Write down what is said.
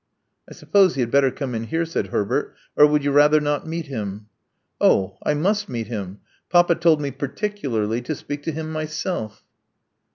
'*I suppose he had better come in here," said Herbert. '*Or would you rather not meet him?" Oh, I must meet him. Papa told me particularly to speak to him myself."